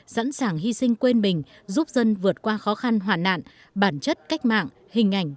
sẵn sàng hy sinh quên mình giúp dân vượt qua khó khăn hoàn nạn bản chất cách mạng hình ảnh